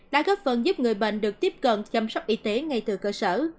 đã góp phần giúp người bệnh được tiếp cận chăm sóc y tế ngay từ cơ sở